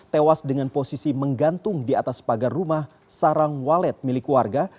tewas dengan posisi menggantung di atas pagar rumah sarang walet milik warga